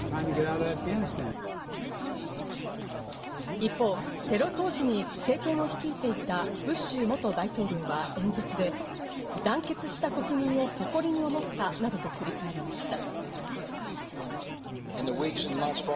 一方、テロ当時に政権を率いていたブッシュ元大統領は演説で団結した国民を誇りに思ったなどと振り返りました。